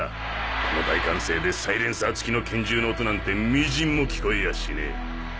この大歓声でサイレンサー付きの拳銃の音なんて微塵も聞こえやしねぇ。